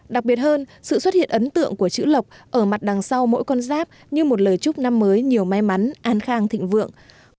đặc biệt hơn sự xuất hiện ấn tượng của chữ lộc ở mặt đằng sau mỗi con giáp như một lời chúc năm mới nhiều may mắn an khang thịnh vượng